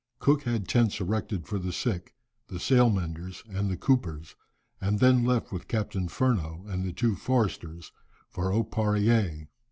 Cook had tents erected for the sick, the sail menders, and the coopers, and then left with Captain Furneaux and the two Forsters for Oparreé.